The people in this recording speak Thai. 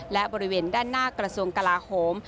และบริเวณด้านหน้ากระทรวงกลาโหม